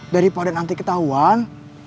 daripada nanti ketahuan